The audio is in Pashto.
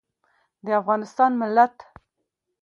د افغانستان ملت